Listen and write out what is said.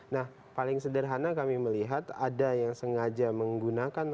nah paling sederhana kami melihat ada yang sengaja menggunakan